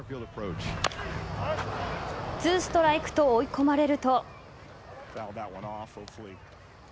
２ストライクと追い込まれると。